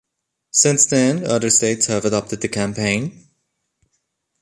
Since then, other states have adopted the campaign.